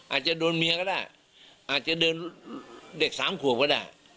อาจจะโดนเมียก็ได้อาจจะโดนเด็กสามขวบก็ได้